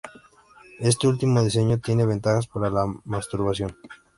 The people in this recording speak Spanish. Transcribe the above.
Este último diseño tiene ventajas para la masturbación.